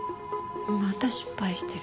また失敗してる。